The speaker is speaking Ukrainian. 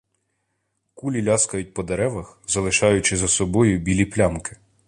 Кулі ляскають по деревах, залишаючи за собою білі плямки.